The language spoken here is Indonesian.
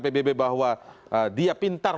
pbb bahwa dia pintar